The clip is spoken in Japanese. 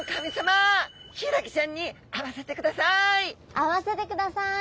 会わせてください！